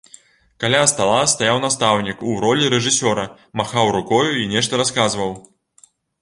Каля стала стаяў настаўнік у ролі рэжысёра, махаў рукою і нешта расказваў.